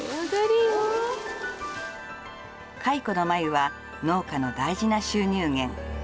蚕の繭は農家の大事な収入源。